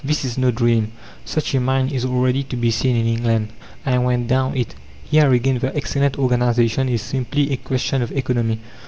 This is no dream, such a mine is already to be seen in England; I went down it. Here again the excellent organization is simply a question of economy.